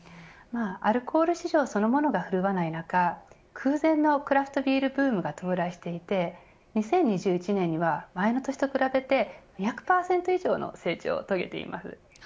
アルコール市場そのものが振るわない中空前のクラフトビールブームが到来していて２０２１年には前の年と比べて２００％以上の成長を遂げています。